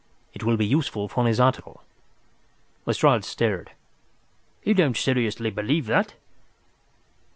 It will be useful for his article." Lestrade stared. "You don't seriously believe that?"